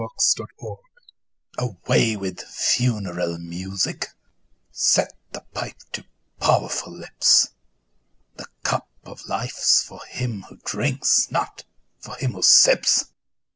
1 Autoplay AWAY with funeral music set The pipe to powerful lips The cup of life's for him that drinks And not for him that sips.